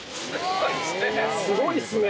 すごいですね。